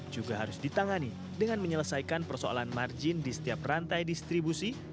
juga harus ditangani dengan menyelesaikan persoalan margin di setiap rantai distribusi